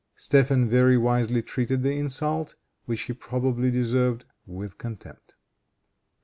Stephen very wisely treated the insult, which he probably deserved, with contempt.